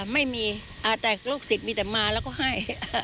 ไม่มีแต่ลูกศิษย์มีแต่มาแล้วก็ให้